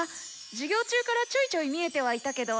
授業中からちょいちょい見えてはいたけど。